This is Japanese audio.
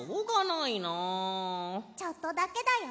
ちょっとだけだよ。